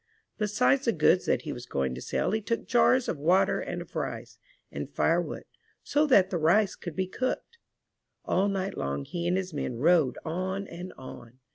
Besides the goods that he was going to sell he took jars of water and of rice, and firewood, so that the rice could be cooked. All night long he and his men rode on and on.